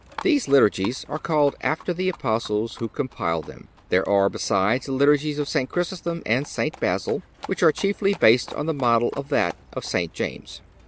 These Liturgies are called after the Apostles who compiled them. There are, besides, the Liturgies of St. Chrysostom and St. Basil, which are chiefly based on the model of that of St. James.